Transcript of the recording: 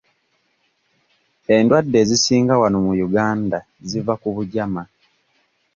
Endwadde ezisinga wano mu Uganda ziva ku bugyama.